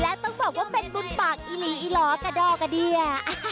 และต้องบอกว่าเป็นบุญปากอีหลีอีหลอกระดอกกระเดีย